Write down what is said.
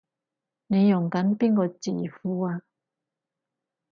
你用緊邊個字庫啊？